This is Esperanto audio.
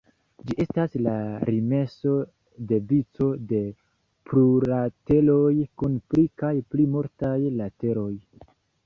Ĝi estas la limeso de vico de plurlateroj kun pli kaj pli multaj lateroj.